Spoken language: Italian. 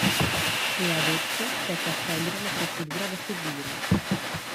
E ad esso spetta scegliere la procedura da seguire.